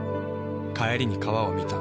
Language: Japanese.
帰りに川を見た。